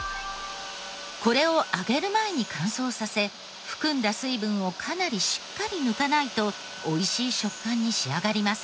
これを揚げる前に乾燥させ含んだ水分をかなりしっかり抜かないとおいしい食感に仕上がりません。